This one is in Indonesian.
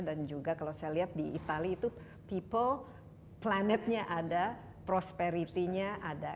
dan juga kalau saya lihat di itali itu people planetnya ada prosperity nya ada